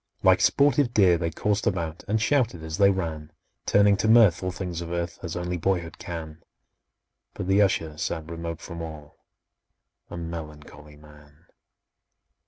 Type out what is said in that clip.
Like sportive deer they coursed about, And shouted as they ran,— Turning to mirth all things of earth, As only boyhood can; But the Usher sat remote from all, A melancholy man!